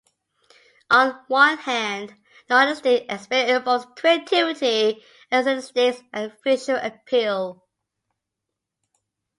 On one hand, the artistic aspect involves creativity, aesthetics, and visual appeal.